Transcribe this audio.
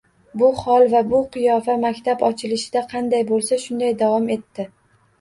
Bu hol va bu qiyofa maktab ochilishida qanday bo'lsa, shunday davom etdi.